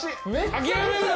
諦めるな！